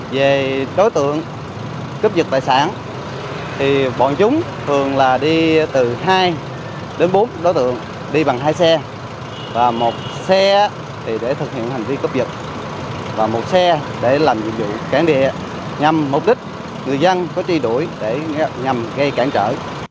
về đối tượng cấp dịch tài sản thì bọn chúng thường là đi từ hai đến bốn đối tượng đi bằng hai xe và một xe thì để thực hiện hành vi cấp dịch và một xe để làm nhiệm vụ cản địa nhằm mục đích người dân có chi đuổi để nhằm gây cản trở